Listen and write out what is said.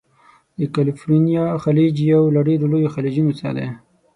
د کلفورنیا خلیج یو له ډیرو لویو خلیجونو څخه دی.